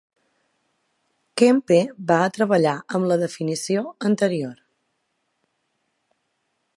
Kempe va treballar amb la definició anterior.